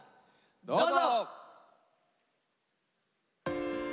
どうぞ。